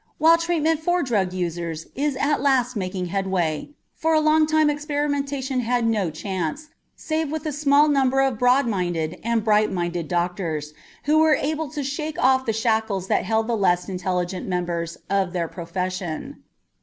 While treatment for drug users is at last making headway, for a long time experimentation had no chance save with a small number of broad minded and bright minded doctors who were able to shake off the shackles that held the less intelligent members of their profession.